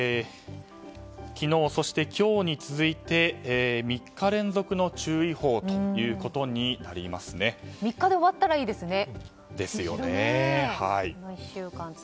昨日、そして今日に続いて３日連続の３日で終わったらいいですね。